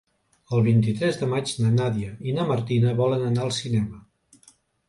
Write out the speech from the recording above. El vint-i-tres de maig na Nàdia i na Martina volen anar al cinema.